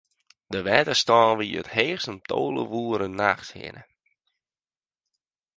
De wetterstân wie it heechst om tolve oere nachts hinne.